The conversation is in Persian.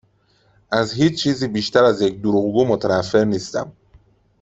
از هیچ چیزی بیشتر از یک دروغگو متنفر نیستم.